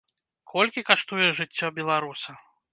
Колькі каштуе жыццё беларуса?